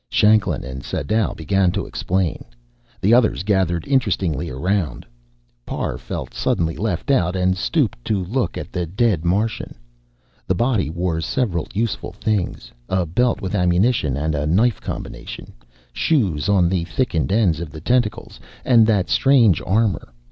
Shanklin and Sadau began to explain. The others gathered interestedly around. Parr felt suddenly left out, and stooped to look at the dead Martian. The body wore several useful things a belt with ammunition and a knife combination, shoes on the thickened ends of the tentacles, and that strange armor.